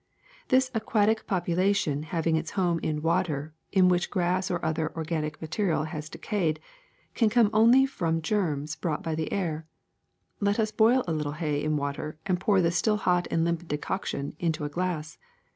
*^This aquatic population having its home in water in which grass or other organic matter has decayed can come only from germs brought by the air. Let us boil a little hay in water and pour the still hot and limpid decoction into a glass.